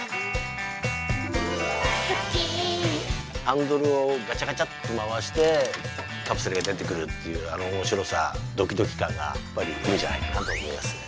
ハンドルをガチャガチャッとまわしてカプセルがでてくるっていうあのおもしろさドキドキかんがやっぱりいいんじゃないかなとおもいます。